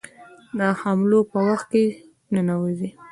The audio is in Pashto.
د حملو په وخت کې ننوزي.